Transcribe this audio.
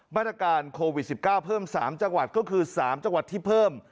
มาตรการโควิด๑๙เพิ่ม๓จังหวัดก็คือ๓จังหวัดที่เพิ่ม